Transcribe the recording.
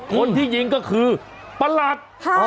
คนที่ยิงก็คือประหลัด